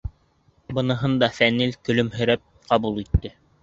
Быныһын да Фәнил көлөмһөрәп ҡабул итте.